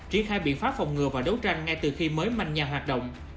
triển khai biện pháp phòng ngừa và đấu tranh ngay từ khi mới manh nhà hoạt động